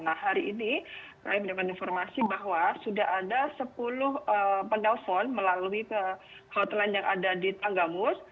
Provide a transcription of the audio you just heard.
nah hari ini kami mendapatkan informasi bahwa sudah ada sepuluh penelpon melalui hotline yang ada di tanggamus